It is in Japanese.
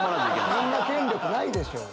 そんな権力ないでしょ。